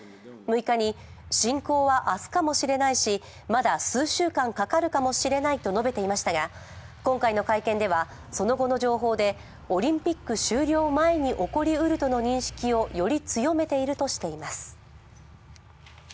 ６日に侵攻は明日かもしれないしまだ数週間かかるかもしれないと述べていましたが、今回の会見では、その後の情報でオリンピック終了前に起こりうるとの認識をより強めているとしています。